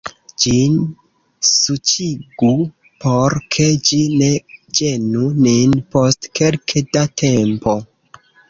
Ĝin suĉigu, por ke ĝi ne ĝenu nin, post kelke da tempo.